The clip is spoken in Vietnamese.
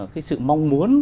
cái sự mong muốn